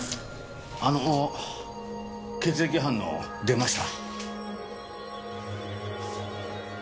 あのー血液反応出ました。